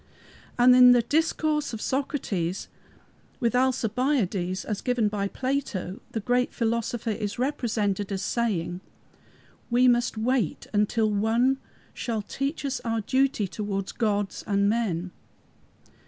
And in the discourse of Socrates with Alcibiades, as given by Plato, the great philosopher is represented as saying, "We must wait till One shall teach us our duty towards gods and men."